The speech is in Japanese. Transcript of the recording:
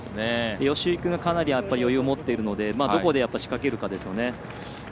吉居君がかなり余裕を持っているのでどこで仕掛けるかですね。